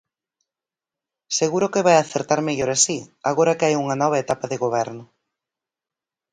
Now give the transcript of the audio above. Seguro que vai acertar mellor así, agora que hai unha nova etapa de goberno.